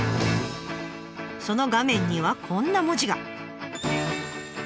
その画面にはこんな文字が。